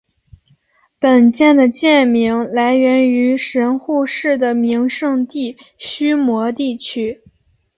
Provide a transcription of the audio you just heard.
本舰的舰名来源于神户市的名胜地须磨地区。